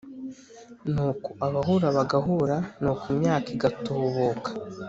Ni uko abahura bagahura ni uko imyaka igatubuka.